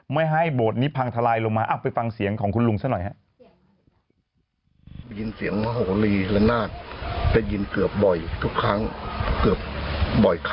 ไม่ให้โบสถ์นี้พังทลายลงมาไปฟังเสียงของคุณลุงซะหน่อยฮะ